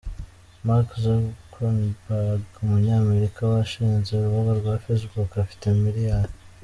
Mark Zuckerberg: Umunyamerika washinze urubuga rwa Facebook, afite miliyari .